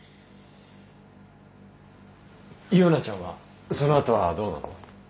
ユウナちゃんはそのあとはどうなの？